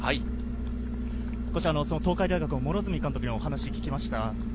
東海大学・両角監督にお話を聞きました。